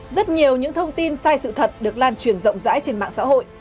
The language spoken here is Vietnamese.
rất nhiều những thông tin sai sự thật được lan truyền rộng rãi trên mạng xã hội